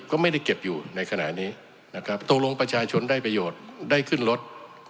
ก็ไม่ได้เก็บอยู่ในขณะนี้นะครับตกลงประชาชนได้ประโยชน์ได้ขึ้นรถ